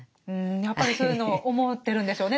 やっぱりそういうのを思ってるんでしょうね